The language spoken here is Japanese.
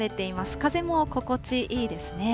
風も心地いいですね。